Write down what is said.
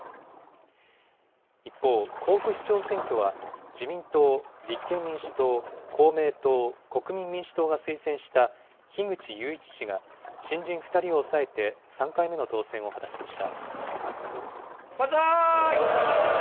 一方、甲府市長選挙は、自民党、立憲民主党、公明党、国民民主党が推薦した樋口雄一氏が、新人２人を抑えて３回目の当選を果たしました。